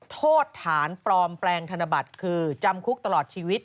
โทษฐานปลอมแปลงธนบัตรคือจำคุกตลอดชีวิต